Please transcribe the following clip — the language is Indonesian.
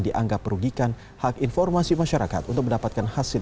dianggap merugikan hak informasi masyarakat untuk mendapatkan hasil